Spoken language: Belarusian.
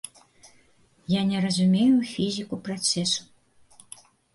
Я не разумею фізіку працэсу.